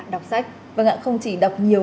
đọc sách vâng ạ không chỉ đọc nhiều